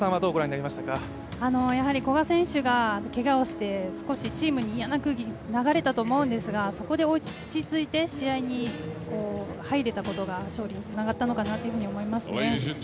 古賀選手がけがをして少しチームに嫌な空気が流れたと思うんですがそこで落ち着いて試合に入れたことが勝利につながったのかなというふうに思いますね。